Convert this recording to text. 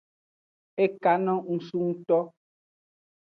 E kan no nusu ngto.